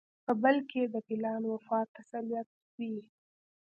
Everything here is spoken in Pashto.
په بل کې یې د پلار وفات تسلیت وي.